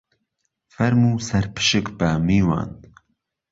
فهرموو سەرپشک به میوان